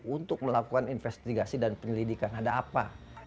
untuk melakukan investigasi dan penyelidikan ada apa